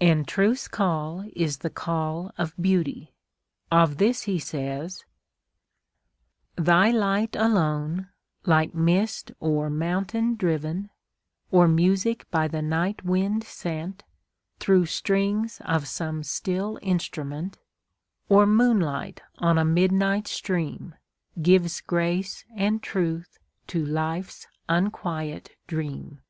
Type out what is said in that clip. And truth's call is the call of beauty. Of this he says: Thy light alone,—like mist o'er mountain driven, Or music by the night wind sent, Thro' strings of some still instrument, Or moonlight on a midnight stream Gives grace and truth to life's unquiet dream.